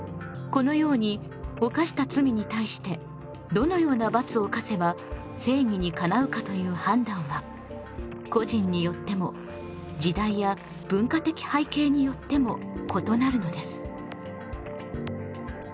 このように犯した罪に対してどのような罰を科せば正義にかなうかという判断は個人によっても時代や文化的背景によっても異なるのです。